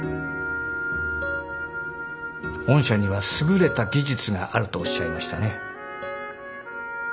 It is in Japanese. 御社には優れた技術があるとおっしゃいましたね。